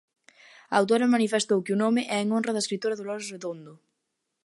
A autora manifestou que o nome é en honra da escritora Dolores Redondo.